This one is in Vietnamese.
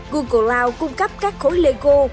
google cloud cung cấp các khối lego